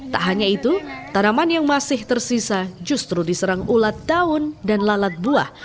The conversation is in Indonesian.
tak hanya itu tanaman yang masih tersisa justru diserang ulat daun dan lalat buah